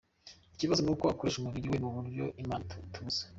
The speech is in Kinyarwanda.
Ikibazo nuko akoresha umubiri we mu buryo imana itubuza.